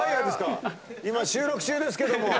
今収録中ですけれども。